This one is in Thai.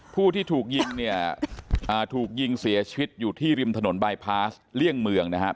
ผู้ที่ถูกยิงเนี่ยถูกยิงเสียชีวิตอยู่ที่ริมถนนบายพาสเลี่ยงเมืองนะครับ